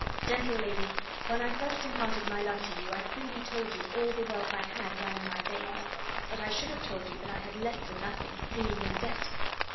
Gentle lady, when I first imparted my love to you, I freely told you all the wealth I had ran in my veins; but I should have told you that I had less than nothing, being in debt."